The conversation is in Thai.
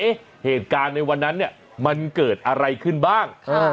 เหตุการณ์ในวันนั้นเนี่ยมันเกิดอะไรขึ้นบ้าง